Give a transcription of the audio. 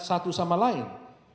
satu sama lain